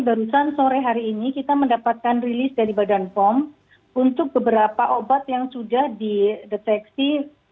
barusan sore hari ini kita mendapatkan rilis dari badan pom untuk beberapa obat yang sudah dideteksi